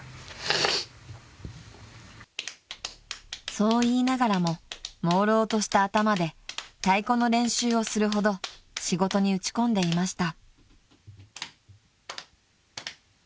［そう言いながらももうろうとした頭で太鼓の練習をするほど仕事に打ち込んでいました］